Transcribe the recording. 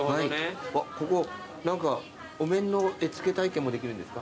ここ何かお面の絵付け体験もできるんですか？